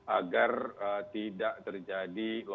agar tidak terjadi lompat